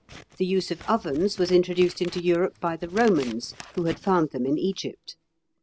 The use of ovens was introduced into Europe by the Romans, who had found them in Egypt.